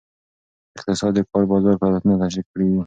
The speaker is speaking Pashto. اقتصاد د کار بازار فعالیتونه تشریح کوي.